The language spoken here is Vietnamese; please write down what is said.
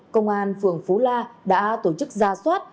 công an phường phú la đã tổ chức ra soát